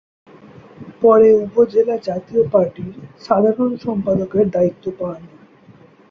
পরে উপজেলা জাতীয় পার্টির সাধারণ সম্পাদকের দায়িত্ব পান।